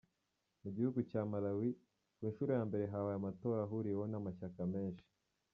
Mu gihugu cya Malawi, ku nshuro ya mbere habaye amatora ahuriweho n’amashyaka menshi.